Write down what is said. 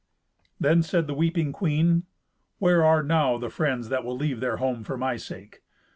Then said the weeping queen, "Where are now the friends that will leave their home for my sake?